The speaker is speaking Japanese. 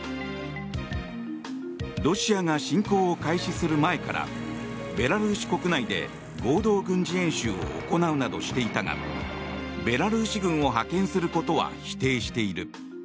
ロシアが侵攻を開始する前からベラルーシ国内で合同軍事演習を行うなどしていたがベラルーシ軍を派遣することは否定している。